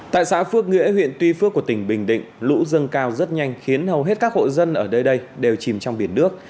tại xã phước nghĩa huyện tuy phước của tỉnh bình định lũ dâng cao rất nhanh khiến hầu hết các hộ dân ở đây đều chìm trong biển nước